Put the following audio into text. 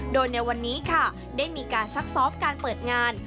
โดยในวันนี้ค่ะได้มีการซักซ้อมการเปิดงาน